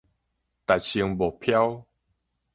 達成目標